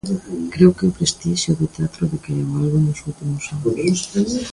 Creo que o prestixio do teatro decaeu algo nos últimos anos.